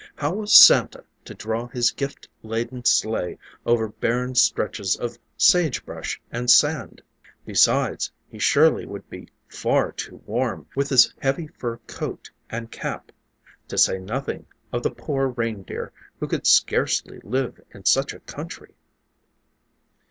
How was Santa to draw his gift laden sleigh over barren stretches of sage brush and sand? Besides, he surely would be far too warm, with his heavy fur coat and cap, to say nothing of the poor reindeer who could scarcely live in such a country.